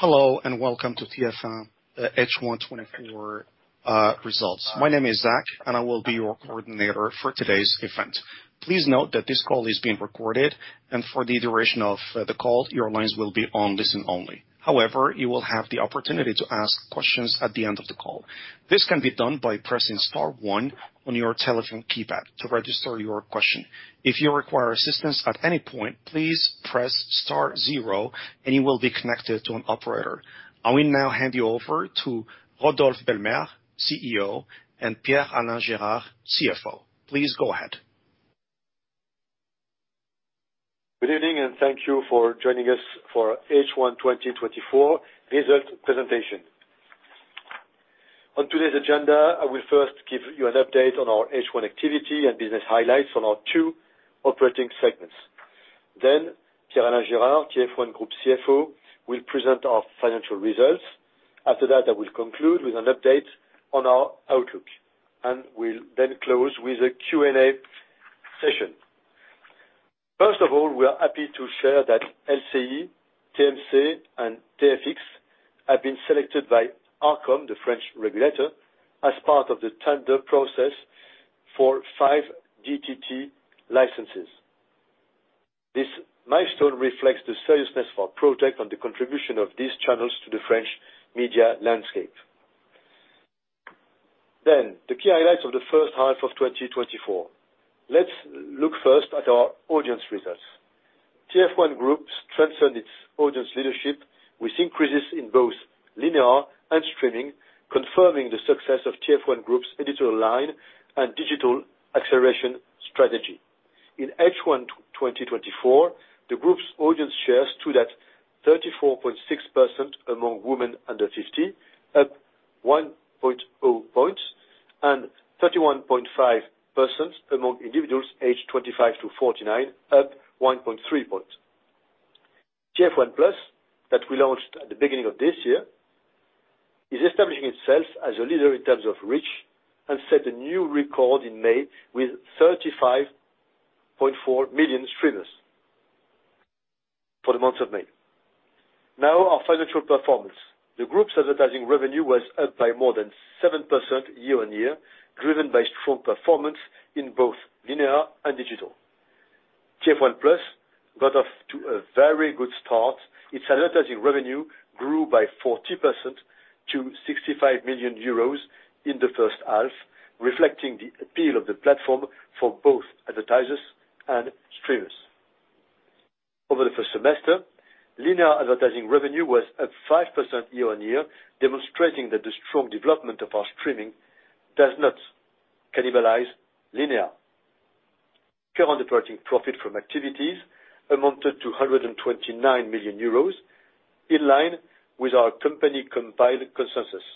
Hello, and welcome to TF1 H1 2024 results. My name is Zach, and I will be your coordinator for today's event. Please note that this call is being recorded, and for the duration of the call, your lines will be on listen only. However, you will have the opportunity to ask questions at the end of the call. This can be done by pressing star one on your telephone keypad to register your question. If you require assistance at any point, please press star zero and you will be connected to an operator. I will now hand you over to Rodolphe Belmer, CEO, and Pierre-Alain Gérard, CFO. Please go ahead. Good evening, and thank you for joining us for H1 2024 results presentation. On today's agenda, I will first give you an update on our H1 activity and business highlights on our two operating segments. Pierre-Alain Gérard, TF1 Group CFO, will present our financial results. After that, I will conclude with an update on our outlook, and we'll then close with a Q&A session. First of all, we are happy to share that LCI, TMC, and TFX have been selected by ARCOM, the French regulator, as part of the tender process for five DTT licenses. This milestone reflects the seriousness of our project and the contribution of these channels to the French media landscape. The key highlights of the first half of 2024. Let's look first at our audience results. TF1 Group strengthened its audience leadership with increases in both linear and streaming, confirming the success of TF1 Group's editorial line and digital acceleration strategy. In H1 2024, the group's audience shares stood at 34.6% among women under fifty, up 1.0 point, and 31.5% among individuals aged 25 to 49, up 1.3 points. TF1+, that we launched at the beginning of this year, is establishing itself as a leader in terms of reach and set a new record in May with 35.4 million streamers for the month of May. Now, our financial performance. The group's advertising revenue was up by more than 7% year-on-year, driven by strong performance in both linear and digital. TF1+ got off to a very good start. Its advertising revenue grew by 40% to 65 million euros in the first half, reflecting the appeal of the platform for both advertisers and streamers. Over the first semester, linear advertising revenue was up 5% year-on-year, demonstrating that the strong development of our streaming does not cannibalize linear. Current operating profit from activities amounted to 129 million euros, in line with our company-compiled consensus.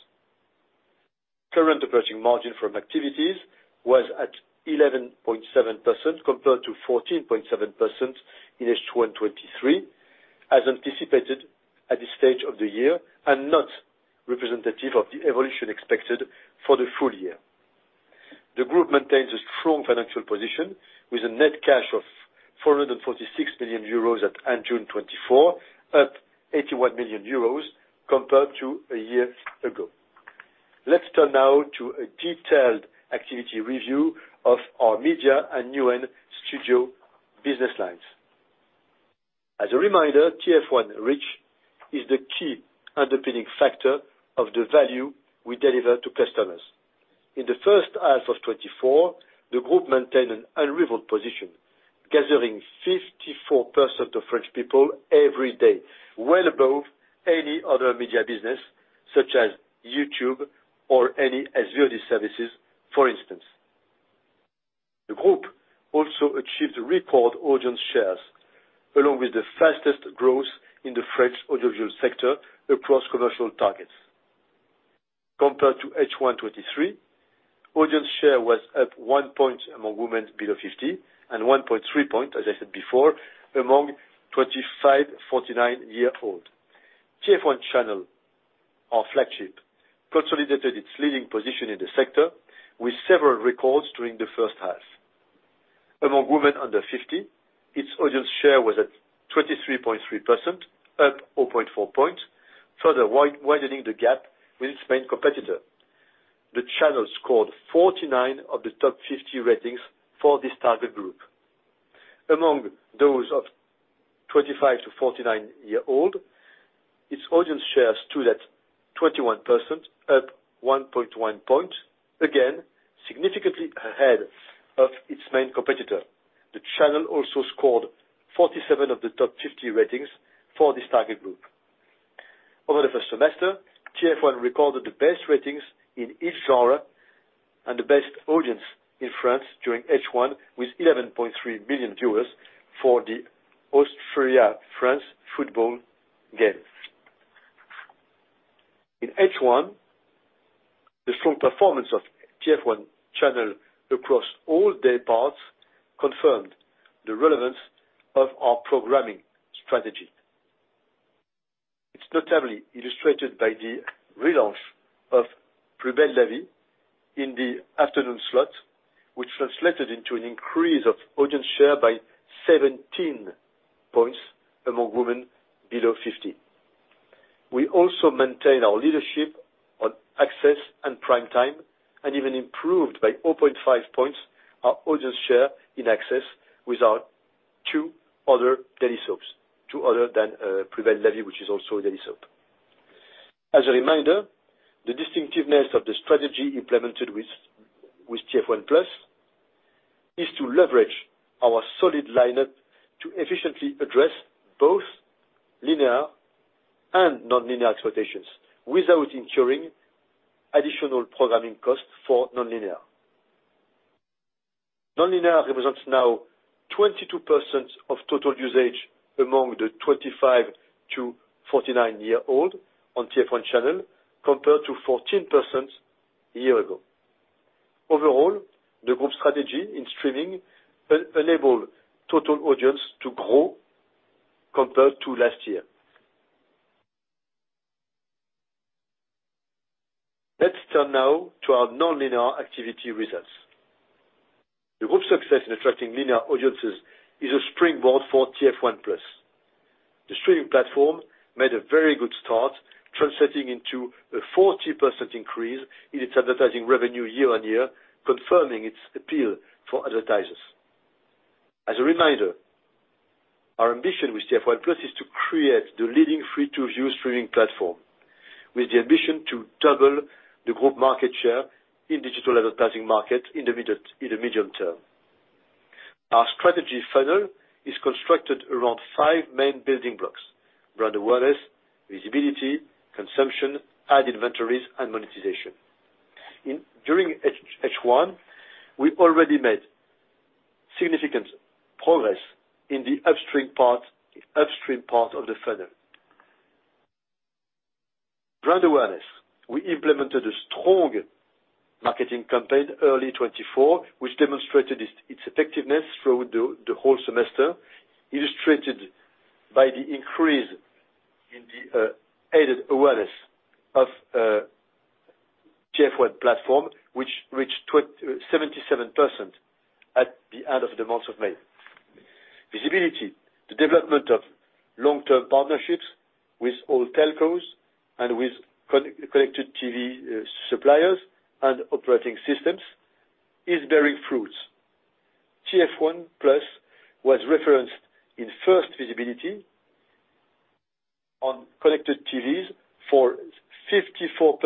Current operating margin from activities was at 11.7%, compared to 14.7% in H1 2023, as anticipated at this stage of the year and not representative of the evolution expected for the full year. The group maintains a strong financial position, with a net cash of 446 million euros at end June 2024, up 81 million euros compared to a year ago. Let's turn now to a detailed activity review of our media and Newen Studios business lines. As a reminder, TF1 reach is the key underpinning factor of the value we deliver to customers. In the first half of 2024, the group maintained an unrivaled position, gathering 54% of French people every day, well above any other media business, such as YouTube or any SVOD services, for instance. The group also achieved record audience shares, along with the fastest growth in the French audiovisual sector across commercial targets. Compared to H1 2023, audience share was up 1 point among women below 50, and 1.3 points, as I said before, among 25- to 49-year-olds. TF1 channel, our flagship, consolidated its leading position in the sector with several records during the first half. Among women under 50, its audience share was at 23.3%, up 0.4 points, further widening the gap with its main competitor. The channel scored 49 of the top 50 ratings for this target group. Among those of 25- to 49-year-old, its audience share stood at 21%, up 1.1 points, again, significantly ahead of its main competitor. The channel also scored 47 of the top 50 ratings for this target group. Over the first semester, TF1 recorded the best ratings in each genre, and the best audience in France during H1, with 11.3 million viewers for the Austria-France football game. In H1, the strong performance of TF1 channel across all day parts confirmed the relevance of our programming strategy. It's notably illustrated by the relaunch of Plus belle vie-... In the afternoon slot, which translated into an increase of audience share by 17 points among women below 50. We also maintain our leadership on access and prime time, and even improved by 0.5 points our audience share in access with our two other daily soaps, two other than Plus belle la vie, which is also a daily soap. As a reminder, the distinctiveness of the strategy implemented with TF1+ is to leverage our solid lineup to efficiently address both linear and non-linear exploitations, without incurring additional programming costs for non-linear. Non-linear represents now 22% of total usage among the 25- to 49-year-old on TF1 channel, compared to 14% a year ago. Overall, the group's strategy in streaming enable total audience to grow compared to last year. Let's turn now to our non-linear activity results. The group's success in attracting linear audiences is a springboard for TF1+. The streaming platform made a very good start, translating into a 40% increase in its advertising revenue year-on-year, confirming its appeal for advertisers. As a reminder, our ambition with TF1+ is to create the leading free-to-use streaming platform, with the ambition to double the group market share in digital advertising market in the medium term. Our strategy funnel is constructed around five main building blocks: brand awareness, visibility, consumption, ad inventories, and monetization. During H1, we already made significant progress in the upstream part of the funnel. Brand awareness. We implemented a strong marketing campaign early 2024, which demonstrated its effectiveness throughout the whole semester, illustrated by the increase in the aided awareness of TF1 platform, which reached 77% at the end of the month of May. Visibility. The development of long-term partnerships with all telcos and with connected TV suppliers and operating systems is bearing fruits. TF1+ was referenced in first visibility on connected TVs for 54%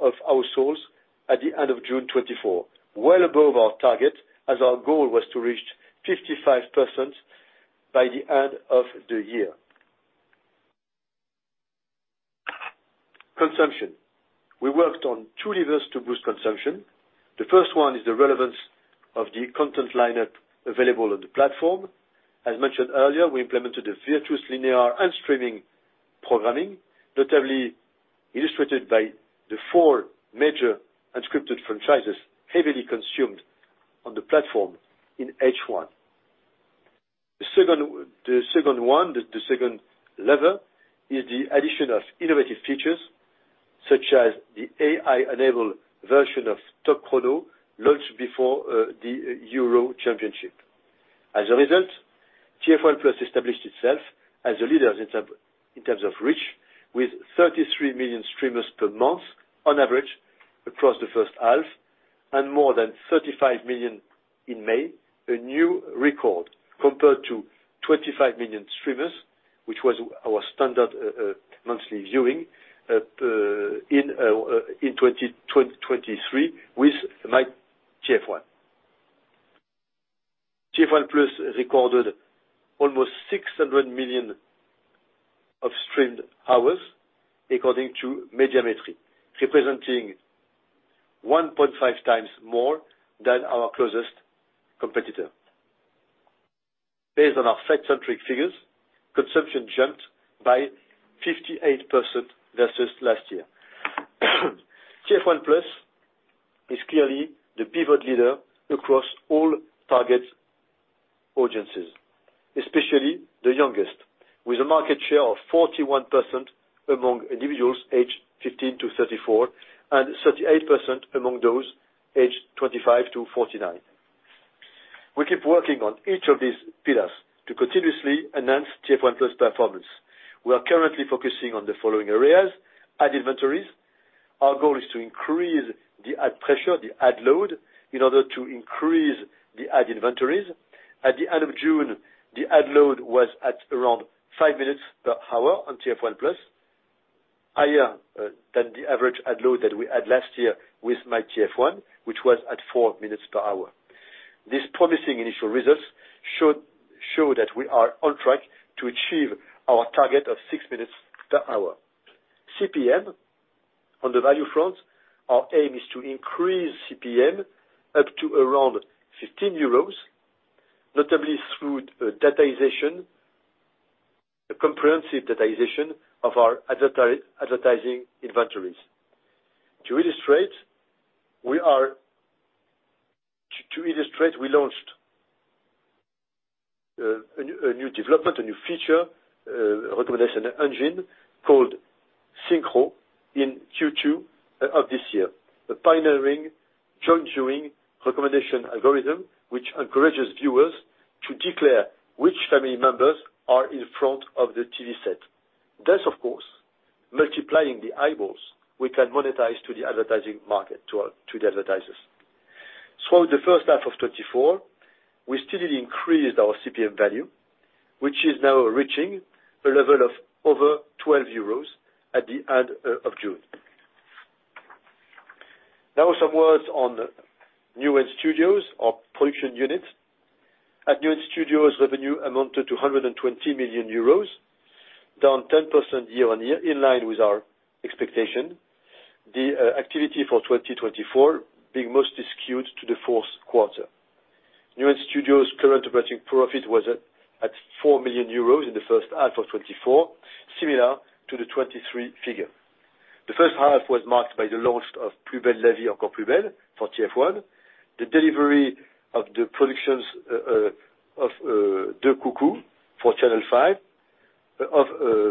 of households at the end of June 2024. Well above our target, as our goal was to reach 55% by the end of the year. Consumption. We worked on two levers to boost consumption. The first one is the relevance of the content lineup available on the platform. As mentioned earlier, we implemented a virtuous linear and streaming programming, notably illustrated by the four major unscripted franchises heavily consumed on the platform in H1. The second lever is the addition of innovative features, such as the AI-enabled version of Top Chrono, launched before the Euro Championship. As a result, TF1+ established itself as a leader in terms of reach, with 33 million streamers per month on average across the first half, and more than 35 million in May. A new record, compared to 25 million streamers, which was our standard monthly viewing in 2023, with myTF1. TF1+ recorded almost 600 million streamed hours, according to Médiamétrie, representing 1.5x more than our closest competitor. Based on our fact-centric figures, consumption jumped by 58% versus last year. TF1+ is clearly the pivot leader across all target audiences, especially the youngest, with a market share of 41% among individuals aged 15 to 34, and 38% among those aged 25 to 49. We keep working on each of these pillars to continuously enhance TF1+ performance. We are currently focusing on the following areas: ad inventories. Our goal is to increase the ad pressure, the ad load, in order to increase the ad inventories. At the end of June, the ad load was at around five minutes per hour on TF1+, higher than the average ad load that we had last year with myTF1, which was at four minutes per hour. These promising initial results should show that we are on track to achieve our target of six minutes per hour. CPM on the value front, our aim is to increase CPM up to around 15 euros, notably through dataization, a comprehensive dataization of our advertising inventories. To illustrate, we launched a new development, a new feature, recommendation engine called Synchro in Q2 of this year. The pioneering joint-viewing recommendation algorithm, which encourages viewers to declare which family members are in front of the TV set. Thus, of course, multiplying the eyeballs we can monetize to the advertising market, to the advertisers. So the first half of 2024, we still increased our CPM value, which is now reaching a level of over 12 euros at the end of June. Now some words on Newen Studios, our production unit. At Newen Studios, revenue amounted to 120 million euros, down 10% year-on-year, in line with our expectation. The activity for 2024 being most skewed to the fourth quarter. Newen Studios' current operating profit was at 4 million euros in the first half of 2024, similar to the 2023 figure. The first half was marked by the launch of Plus belle la vie, encore plus belle for TF1, the delivery of the productions of The Cuckoo for Channel 5, of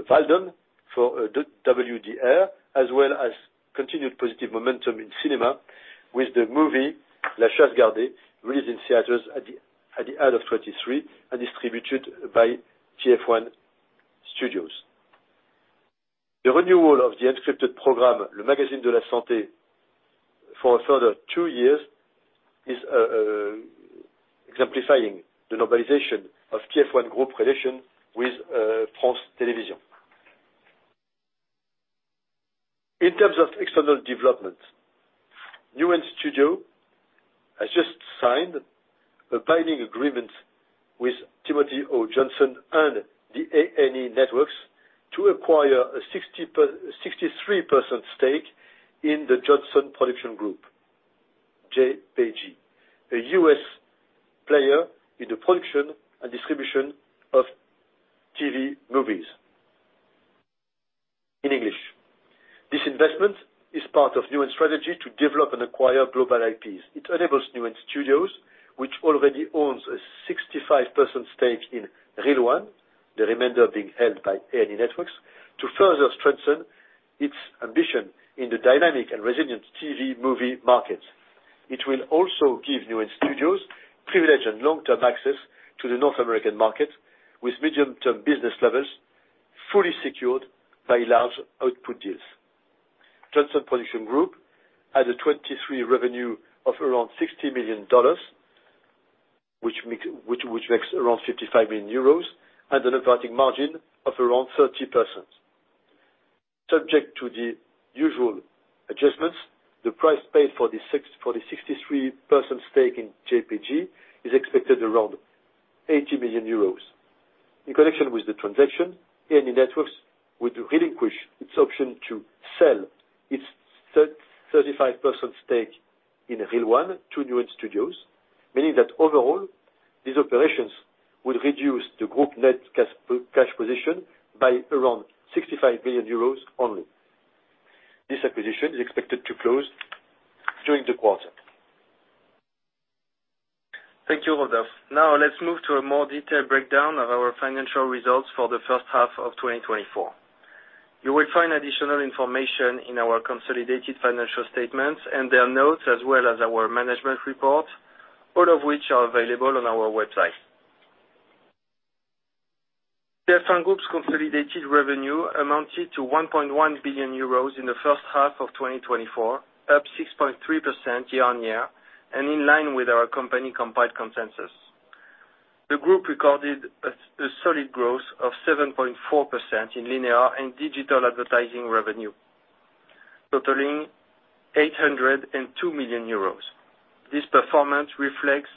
Watzmann for the WDR, as well as continued positive momentum in cinema with the movie, La Chasse Gardée, released in theaters at the end of 2023 and distributed by TF1 Studios. The renewal of the unscripted program, Le Magazine de la Santé, for a further two years, is exemplifying the normalization of TF1 Group relation with France Télévisions. In terms of external development, Newen Studios has just signed a binding agreement with Timothy O. Johnson and the A&E Networks to acquire a 63% stake in the Johnson Production Group, JPG, a U.S. player in the production and distribution of TV movies in English. This investment is part of Newen's strategy to develop and acquire global IPs. It enables Newen Studios, which already owns a 65% stake in Reel One, the remainder being held by A&E Networks, to further strengthen its ambition in the dynamic and resilient TV movie market. It will also give Newen Studios privileged and long-term access to the North American market, with medium-term business levels fully secured by large output deals. Johnson Production Group had a 2023 revenue of around $60 million, which makes around 55 million euros and an operating margin of around 30%. Subject to the usual adjustments, the price paid for the sixty-three percent stake in JPG is expected around 80 million euros. In connection with the transaction, A&E Networks would relinquish its option to sell its thirty-five percent stake in Reel One to Newen Studios, meaning that overall, these operations will reduce the group net cash position by around 65 million euros only. This acquisition is expected to close during the quarter. Thank you, Rodolphe. Now, let's move to a more detailed breakdown of our financial results for the first half of 2024. You will find additional information in our consolidated financial statements and their notes, as well as our management report, all of which are available on our website. TF1 Group's consolidated revenue amounted to 1.1 billion euros in the first half of 2024, up 6.3% year-on-year and in line with our company-compiled consensus. The group recorded a solid growth of 7.4% in linear and digital advertising revenue, totaling 802 million euros. This performance reflects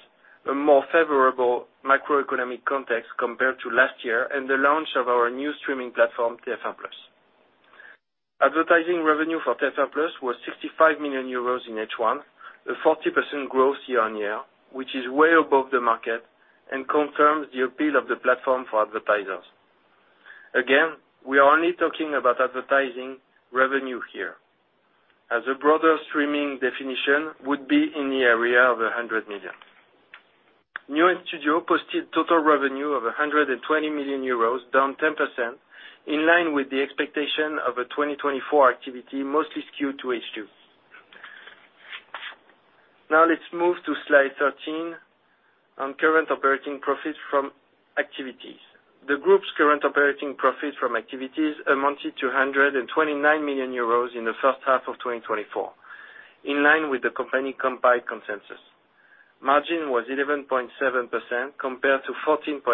a more favorable macroeconomic context compared to last year and the launch of our new streaming platform, TF1+. Advertising revenue for TF1+ was 65 million euros in H1, a 40% growth year-on-year, which is way above the market and confirms the appeal of the platform for advertisers. Again, we are only talking about advertising revenue here, as a broader streaming definition would be in the area of 100 million. Newen Studios posted total revenue of 120 million euros, down 10%, in line with the expectation of a 2024 activity, mostly skewed to H2. Now, let's move to slide 13 on current operating profits from activities. The group's current operating profit from activities amounted to 129 million euros in the first half of 2024, in line with the company-compiled consensus. Margin was 11.7% compared to 14.7%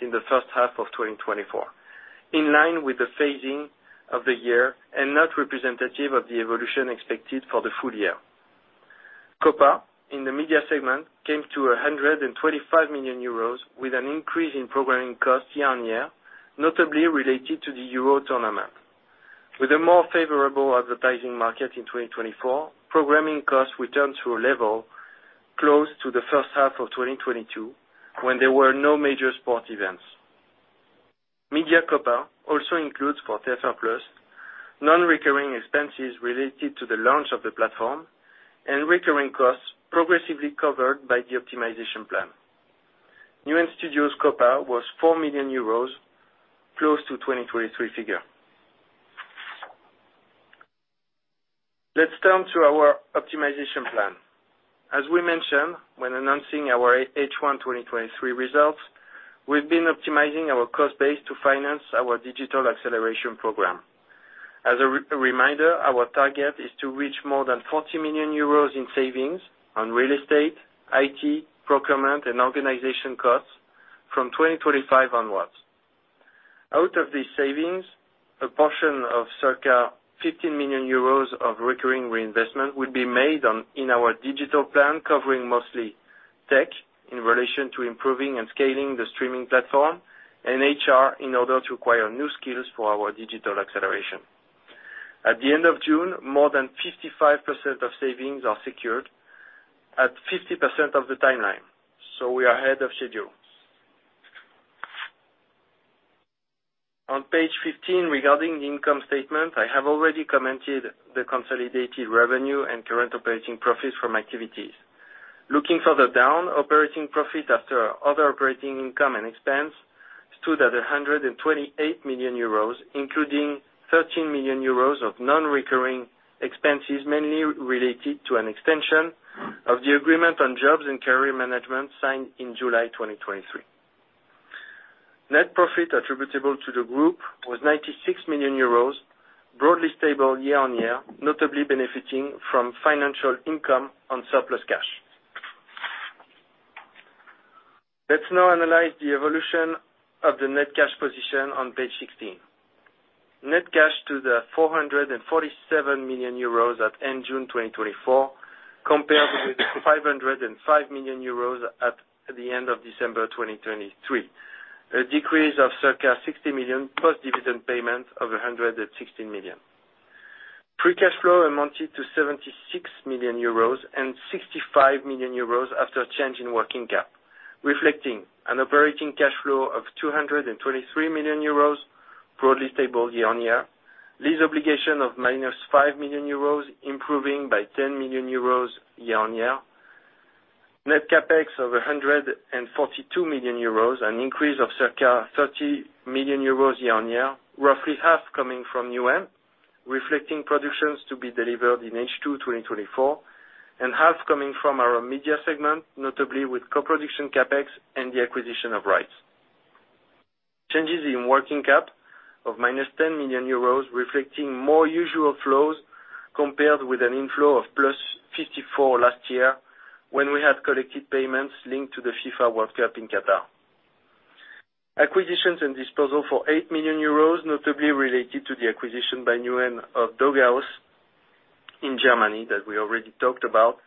in the first half of 2024, in line with the phasing of the year and not representative of the evolution expected for the full year. COPA, in the media segment, came to 125 million euros, with an increase in programming costs year-on-year, notably related to the Euro tournament. With a more favorable advertising market in 2024, programming costs returned to a level close to the first half of 2022, when there were no major sports events.... Média COPA also includes for TF1+, non-recurring expenses related to the launch of the platform and recurring costs progressively covered by the optimization plan. Newen Studios COPA was 4 million euros, close to 2023 figure. Let's turn to our optimization plan. As we mentioned, when announcing our H1 2023 results, we've been optimizing our cost base to finance our digital acceleration program. As a reminder, our target is to reach more than 40 million euros in savings on real estate, IT, procurement, and organization costs from 2025 onwards. Out of these savings, a portion of circa 15 million euros of recurring reinvestment will be made on, in our digital plan, covering mostly tech, in relation to improving and scaling the streaming platform, and HR in order to acquire new skills for our digital acceleration. At the end of June, more than 55% of savings are secured at 50% of the timeline, so we are ahead of schedule. On page 15, regarding the income statement, I have already commented the consolidated revenue and current operating profits from activities. Looking for the down operating profit after other operating income and expense, stood at 128 million euros, including 13 million euros of non-recurring expenses, mainly related to an extension of the agreement on jobs and career management signed in July 2023. Net profit attributable to the group was 96 million euros, broadly stable year-on-year, notably benefiting from financial income on surplus cash. Let's now analyze the evolution of the net cash position on page 16. Net cash to the 447 million euros at end June 2024, compared with 505 million euros at the end of December 2023. A decrease of circa 60 million post-dividend payment of 116 million. Pre-cash flow amounted to 76 million euros and 65 million euros after a change in working capital, reflecting an operating cash flow of 223 million euros, broadly stable year-on-year. Lease obligation of -5 million euros, improving by 10 million euros year-on-year. Net CapEx of 142 million euros, an increase of circa 30 million euros year-on-year, roughly half coming from Newen, reflecting productions to be delivered in H2 2024, and half coming from our media segment, notably with co-production CapEx and the acquisition of rights. Changes in working cap of -10 million euros, reflecting more usual flows compared with an inflow of +54 million last year, when we had collected payments linked to the FIFA World Cup in Qatar. Acquisitions and disposal for 8 million euros, notably related to the acquisition by Newen of Dog Haus in Germany, that we already talked about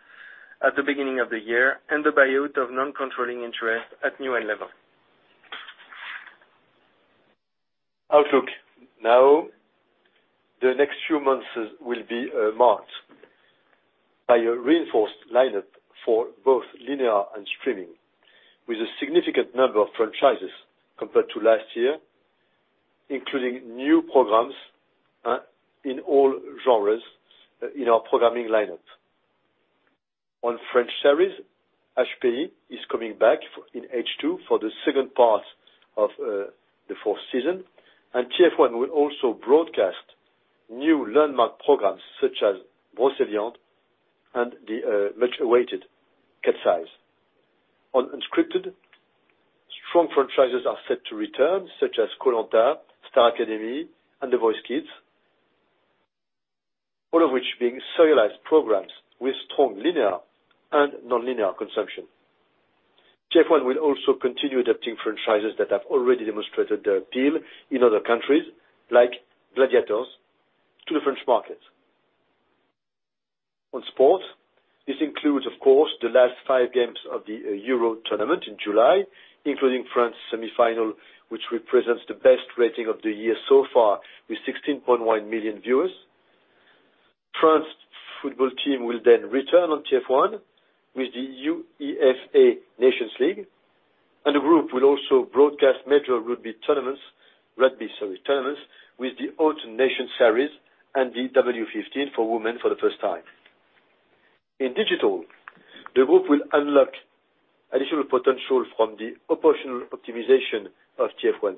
at the beginning of the year, and the buyout of non-controlling interest at Newen level. Outlook. Now, the next few months will be marked by a reinforced lineup for both linear and streaming, with a significant number of franchises compared to last year, including new programs in all genres in our programming lineup. On French series, HPI is coming back in H2 for the second part of the fourth season, and TF1 will also broadcast new landmark programs such as Brocéliande and the much-awaited Cat's Eyes. On unscripted, strong franchises are set to return, such as Koh-Lanta, Star Academy, and The Voice Kids, all of which being serialized programs with strong linear and nonlinear consumption. TF1 will also continue adapting franchises that have already demonstrated their appeal in other countries, like Gladiators, to the French market. On sport, this includes, of course, the last 5 games of the Euro tournament in July, including France semifinal, which represents the best rating of the year so far, with 16.1 million viewers. France football team will then return on TF1 with the UEFA Nations League, and the group will also broadcast major rugby tournaments, rugby, sorry, tournaments with the Autumn Nations Series and the WXV for women for the first time. In digital, the group will unlock additional potential from the operational optimization of TF1+.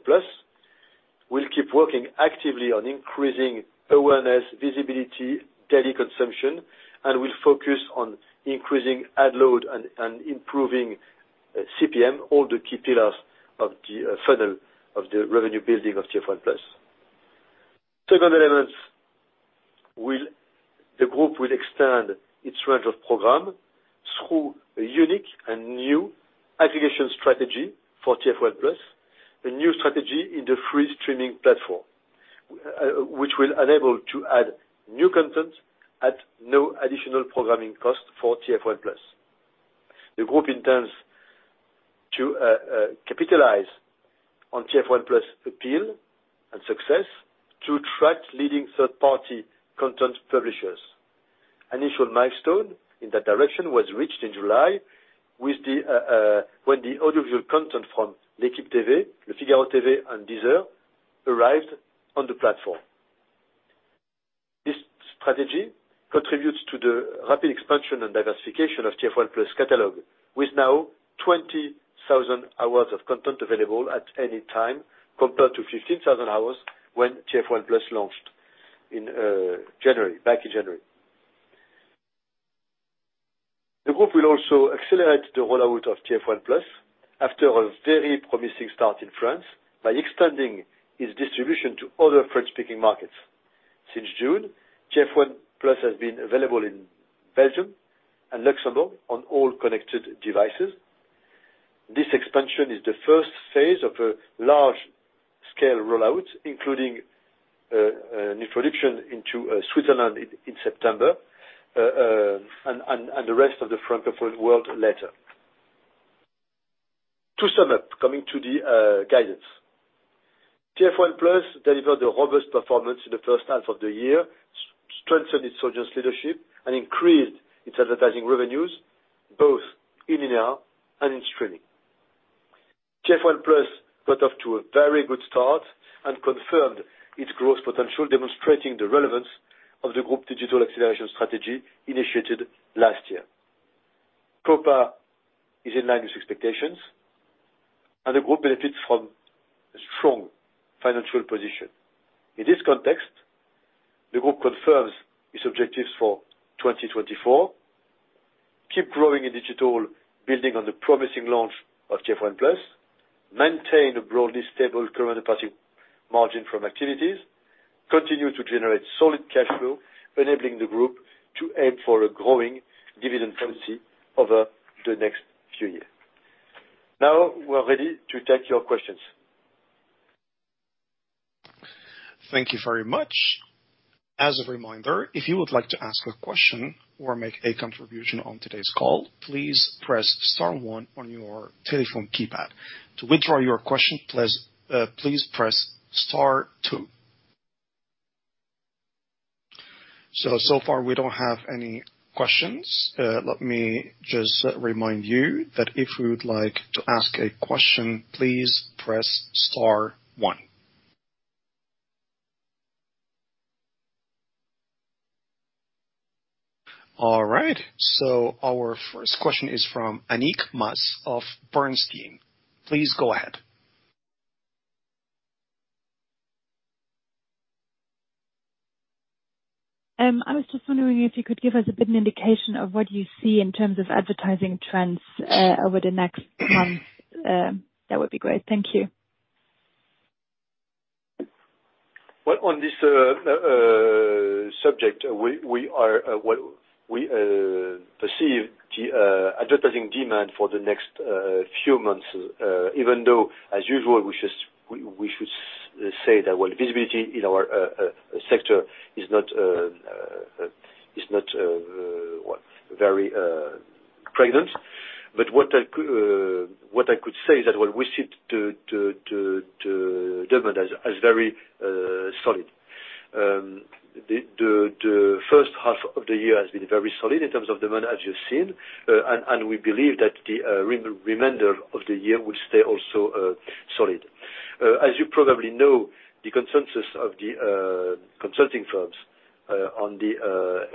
We'll keep working actively on increasing awareness, visibility, daily consumption, and we'll focus on increasing ad load and improving CPM, all the key pillars of the funnel of the revenue building of TF1+. The group will extend its range of program through a unique and new aggregation strategy for TF1+, a new strategy in the free streaming platform, which will enable to add new content at no additional programming cost for TF1+. The group intends to capitalize on TF1+' appeal and success to attract leading third-party content publishers. Initial milestone in that direction was reached in July with when the audio-visual content from L'Équipe TV, Le Figaro TV, and Deezer arrived on the platform. This strategy contributes to the rapid expansion and diversification of TF1+ catalog, with now 20,000 hours of content available at any time, compared to 15,000 hours when TF1+ launched in January, back in January. The group will also accelerate the rollout of TF1+, after a very promising start in France, by extending its distribution to other French-speaking markets. Since June, TF1+ has been available in Belgium and Luxembourg on all connected devices. This expansion is the first phase of a large-scale rollout, including an introduction into Switzerland in September and the rest of the Francophone world later. To sum up, coming to the guidance. TF1+ delivered a robust performance in the first half of the year, strengthened its audience leadership and increased its advertising revenues, both in-app and in streaming. TF1+ got off to a very good start and confirmed its growth potential, demonstrating the relevance of the group digital acceleration strategy initiated last year. COPA is in line with expectations, and the group benefits from a strong financial position. In this context, the group confirms its objectives for 2024, keep growing in digital, building on the promising launch of TF1+, maintain a broadly stable current operating margin from activities, continue to generate solid cash flow, enabling the group to aim for a growing dividend policy over the next few years. Now, we are ready to take your questions. Thank you very much. As a reminder, if you would like to ask a question or make a contribution on today's call, please press star one on your telephone keypad. To withdraw your question, please, please press star two. So far, we don't have any questions. Let me just remind you that if you would like to ask a question, please press star one. All right, so our first question is from Annick Maas of Bernstein. Please go ahead. I was just wondering if you could give us a bit of an indication of what you see in terms of advertising trends over the next month? That would be great. Thank you. Well, on this subject, we perceive the advertising demand for the next few months, even though, as usual, we should say that, well, visibility in our sector is not very pregnant. But what I could say is that the demand is very solid. The first half of the year has been very solid in terms of demand, as you've seen. And we believe that the remainder of the year will stay also solid. As you probably know, the consensus of the consulting firms on the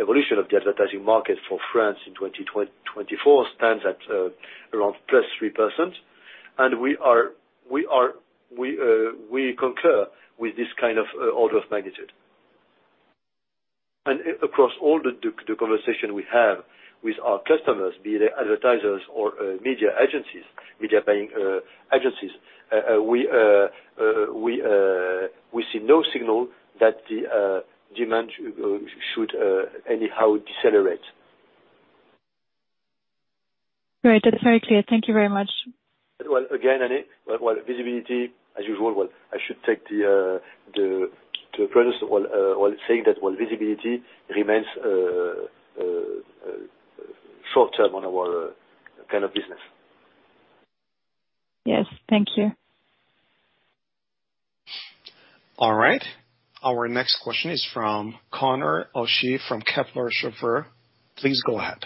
evolution of the advertising market for France in 2024 stands at around +3%. We concur with this kind of order of magnitude. Across all the conversation we have with our customers, be they advertisers or media agencies, media buying agencies, we see no signal that the demand should anyhow decelerate. Great, that's very clear. Thank you very much. Well, again, Annick, well, visibility as usual. Well, I should take the premise while saying that, well, visibility remains short term on our kind of business. Yes, thank you. All right. Our next question is from Conor O'Shea from Kepler Cheuvreux. Please go ahead.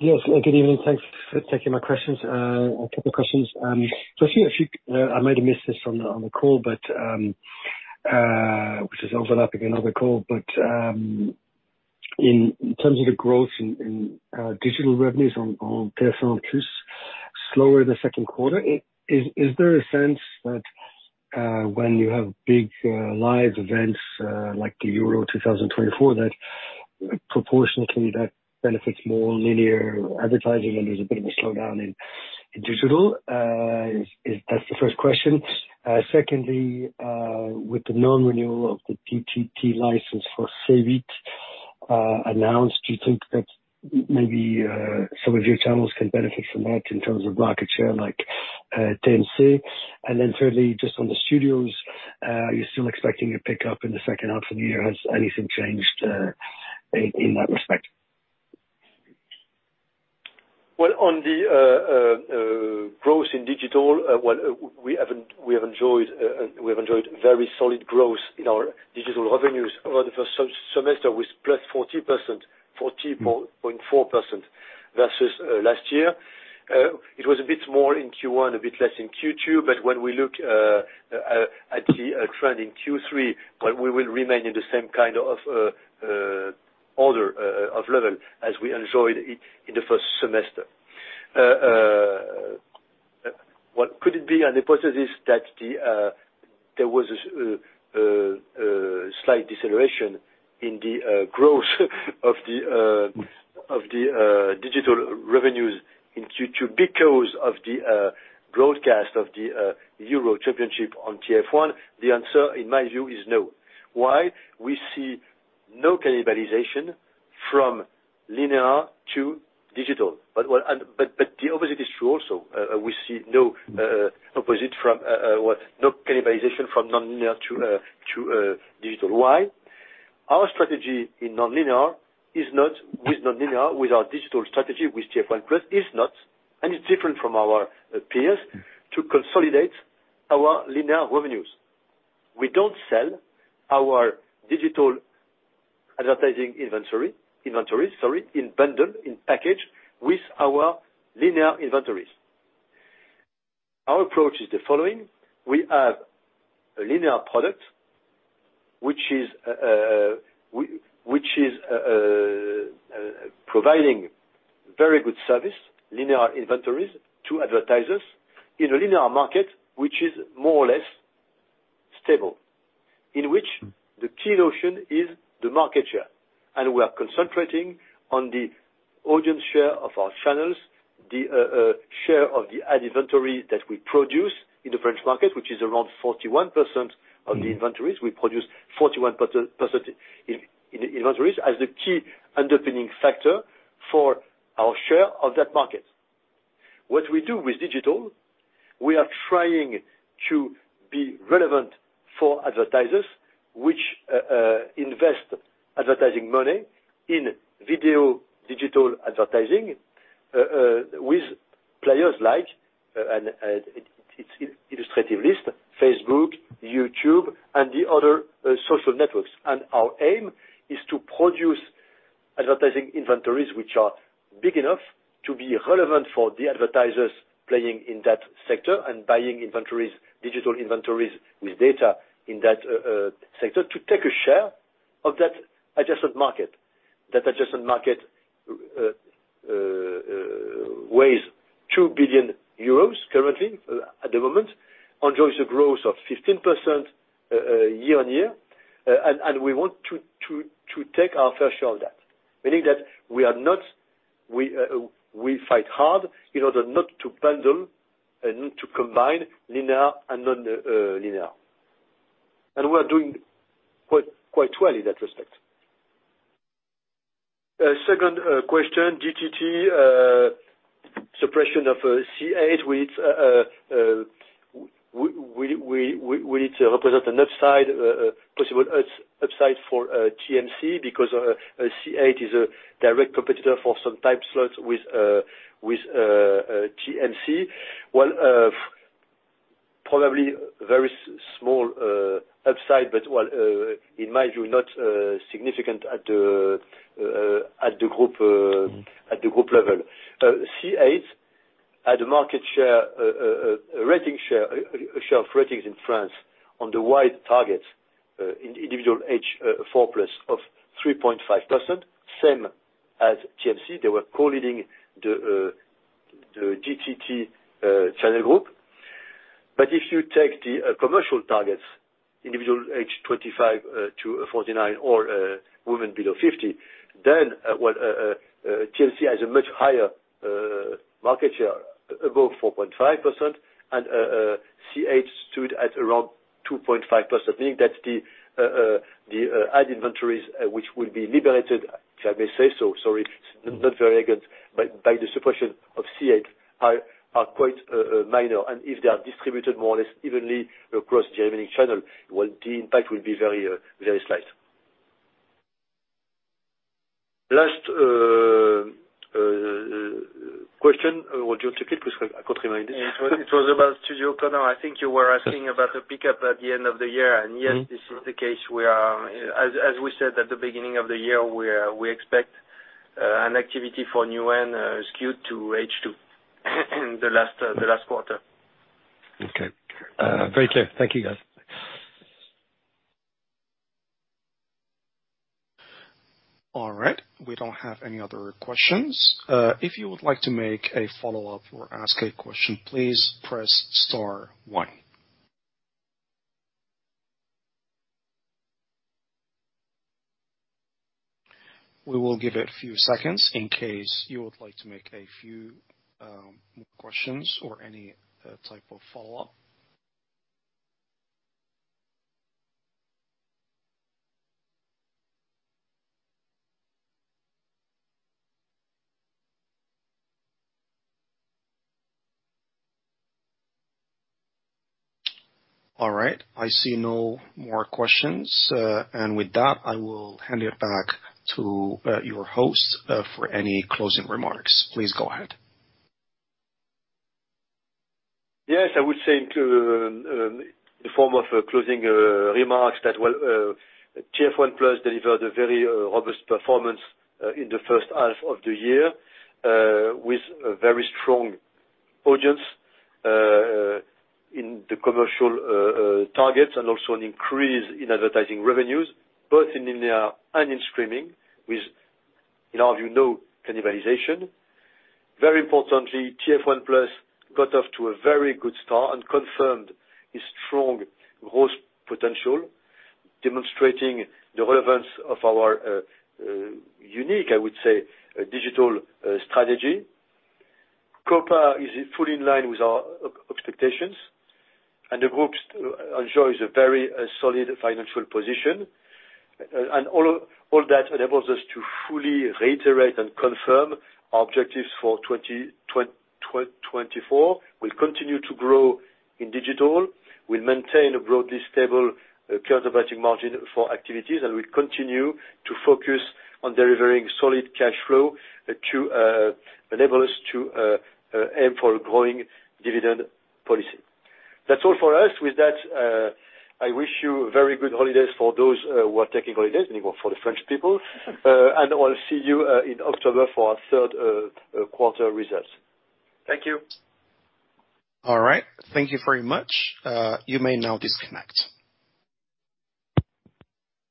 Yes, good evening. Thanks for taking my questions, a couple questions. So I see a few, I might have missed this on the, on the call, but, which is overlapping another call. But, in terms of the growth in, digital revenues on, TF1+, slower in the second quarter, is there a sense that, when you have big, live events, like the Euro 2024, that proportionately that benefits more linear advertising, and there's a bit of a slowdown in, digital? That's the first question. Secondly, with the non-renewal of the TNT license for C8, announced, do you think that maybe, some of your channels can benefit from that in terms of market share, like, TMC? And then thirdly, just on the studios, are you still expecting a pickup in the second half of the year? Has anything changed, in that respect? Well, on the growth in digital, well, we have, we have enjoyed, we have enjoyed very solid growth in our digital revenues over the first semester, with +40.4% versus last year. It was a bit more in Q1, a bit less in Q2, but when we look at the trend in Q3, well, we will remain in the same kind of order of level as we enjoyed in the first semester. What could it be a hypothesis that there was slight deceleration in the growth of the digital revenues in Q2 because of the broadcast of the Euro Championship on TF1? The answer, in my view, is no. Why? We see no cannibalization from linear to digital. But the opposite is true also. We see no cannibalization from non-linear to digital. Why? Our strategy in non-linear with our digital strategy with TF1+ is not and it's different from our peers to consolidate our linear revenues. We don't sell our digital advertising inventory, inventories, sorry, in bundle, in package, with our linear inventories. Our approach is the following: we have a linear product which is providing very good service, linear inventories to advertisers in a linear market, which is more or less stable, in which the key notion is the market share. We are concentrating on the audience share of our channels, the share of the ad inventory that we produce in the French market, which is around 41% of the inventories. We produce 41% in inventories as the key underpinning factor for our share of that market. What we do with digital, we are trying to be relevant for advertisers which invest advertising money in video digital advertising, with players like, and it's illustrative list, Facebook, YouTube, and the other social networks. And our aim is to produce advertising inventories which are big enough to be relevant for the advertisers playing in that sector and buying inventories, digital inventories with data in that sector, to take a share of that adjacent market. That adjacent market weighs 2 billion euros currently, at the moment, enjoys a growth of 15% year-on-year. And we want to take our fair share of that. Meaning that we are not -- we fight hard in order not to bundle and not to combine linear and non linear. And we are doing quite, quite well in that respect. Second question, DTT suppression of C8, which we need to represent an upside, possible upside for TMC, because C8 is a direct competitor for some time slots with TMC. Well, probably very small upside, but, well, in my view, not significant at the group level. C8 had a market share, rating share, share of ratings in France on the wide targets, in individual age 4+, of 3.5%, same as TMC. They were co-leading the DTT channel group. But if you take the commercial targets, individual age 25 to 49, or women below 50, then, well, TMC has a much higher market share, above 4.5%, and C8 stood at around 2.5%. Meaning that the ad inventories, which will be liberated, if I may say so, sorry, it's not very good, but by the suppression of C8, are quite minor. And if they are distributed more or less evenly across the remaining channel, well, the impact will be very, very slight. Last question, what your topic, please? I can't remind it. It was about Studio Canal. I think you were asking about the pickup at the end of the year. Mm-hmm. Yes, this is the case. We are, as we said at the beginning of the year, we are -- we expect an activity for Newen skewed to H2, the last quarter. Okay. Very clear. Thank you, guys. All right. We don't have any other questions. If you would like to make a follow-up or ask a question, please press star one. We will give it a few seconds in case you would like to make a few more questions or any type of follow-up. All right. I see no more questions. With that, I will hand it back to your host for any closing remarks. Please go ahead. Yes, I would say in the form of a closing remarks, that well, TF1+ delivered a very robust performance in the first half of the year with a very strong audience in the commercial targets, and also an increase in advertising revenues, both in linear and in streaming, with, in our view, no cannibalization. Very importantly, TF1+ got off to a very good start and confirmed a strong growth potential, demonstrating the relevance of our unique, I would say, digital strategy. Capex is fully in line with our expectations, and the group enjoys a very solid financial position. And all that enables us to fully reiterate and confirm our objectives for 2024. We'll continue to grow in digital. We'll maintain a broadly stable, current operating margin for activities, and we'll continue to focus on delivering solid cash flow to, enable us to, aim for a growing dividend policy. That's all for us. With that, I wish you very good holidays for those, who are taking holidays, and even for the French people. And I'll see you, in October for our third quarter results. Thank you. All right. Thank you very much. You may now disconnect.